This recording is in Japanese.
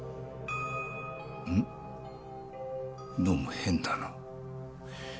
どうも変だな。